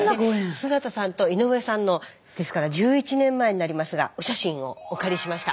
菅田さんと井上さんのですから１１年前になりますがお写真をお借りしました。